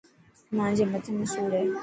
مانجي مٿي ۾ سوڙ هي.